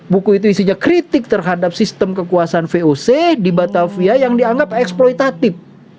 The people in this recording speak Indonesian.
buku itu isinya kritik terhadap sistem kekuasaan voc di batavia yang dianggap eksploitatif